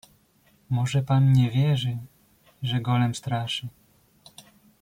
"Może pan nie wierzy, że Golem straszy?"